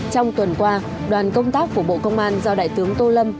trong tuần qua đoàn công tác của bộ công an do đại tướng tô lâm